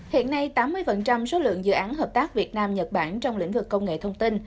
hiện nay tám mươi số lượng dự án hợp tác việt nam nhật bản trong lĩnh vực công nghệ thông tin